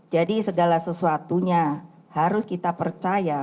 jadi segala sesuatunya harus kita percaya